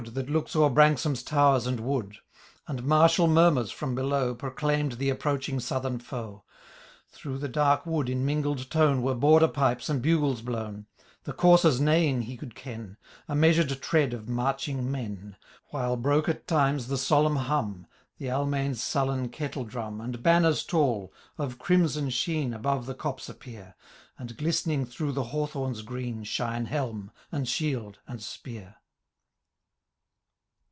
That looks o''er Branksome*s towers and wood t And martial murmurs, from below. Proclaimed the approaching southern foe. Through the dark wood in mingled tone Were Border pipee and bugles blown ; The coursers* neighing he could ken, A measured tread of marching men ; While broke at times the solemn hum. The A Imayn's sullen kettle drum Digitized by VjOOQIC W THB LAY OP Canto /r. And banners tall, of crimson sheen. Above the copse appear ; And, glistening through the hawthorns green. Shine helm, and shield, and spear.